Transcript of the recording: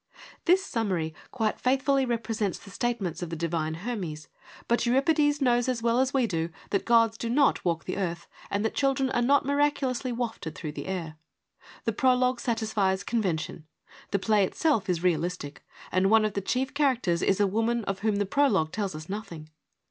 This summary quite faithfully represents the statements of the divine Hermes ; but Euripides knows as well as we do that gods do not walk the earth and that children are not miraculously wafted through the air. The prologue satisfies convention : the play itself is realistic and one of the chief charac ters is a woman of whom the prologue tells us nothing.